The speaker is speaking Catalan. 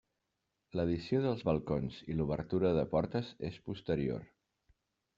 L'addició dels balcons i l'obertura de portes és posterior.